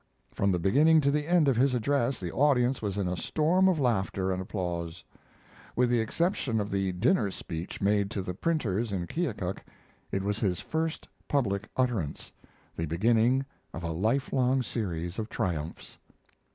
From the beginning to the end of his address the audience was in a storm of laughter and applause. With the exception of the dinner speech made to the printers in Keokuk, it was his first public utterance the beginning of a lifelong series of triumphs.